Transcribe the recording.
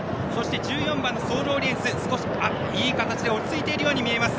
１４番、ソールオリエンスいい形で落ち着いているように見えます